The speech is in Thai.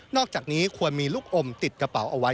อกจากนี้ควรมีลูกอมติดกระเป๋าเอาไว้